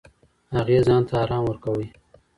هغې ځان ته ارام ورکوو.